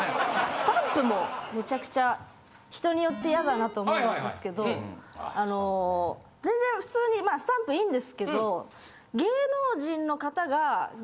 スタンプもめちゃくちゃ人によってイヤだなって思うんですけどあの全然普通にまあスタンプいいんですけど。